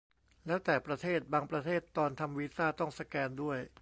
แล้วแต่ประเทศ บางประเทศตอนทำวีซ่าต้องสแกนด้วย